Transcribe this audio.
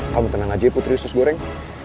kamu tenang aja ya putri sos goreng